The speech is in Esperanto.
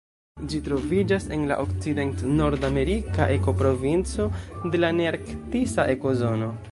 Ĝi troviĝas en la okcident-nordamerika ekoprovinco de la nearktisa ekozono.